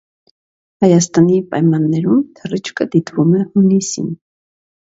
Հայաստանի պայմաններում թռիչքը դիտվում է հունիսին։